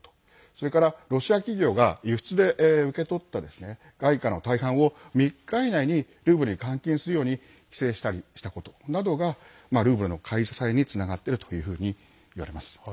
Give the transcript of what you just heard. それから、ロシア企業が輸出で受け取った外貨の大半を３日以内にルーブルに換金するように規制したりしたことなどがルーブルの買い支えにつながっているというふうにいわれます。